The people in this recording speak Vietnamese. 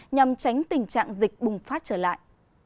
nhằm tránh tình trạng dịch bùng phát trở lại